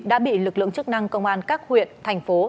đã bị lực lượng chức năng công an các huyện thành phố